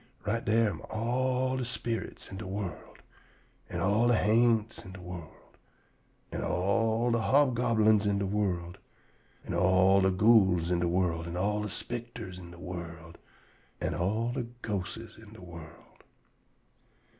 Right dar am all de sperits in de world, an' all de ha'nts in de world, an' all de hobgoblins in de world, an' all de ghouls in de world, an' all de spicters in de world, an' all de ghostes in de world.